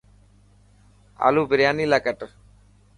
آلو برياني لاءِ ڪٽ.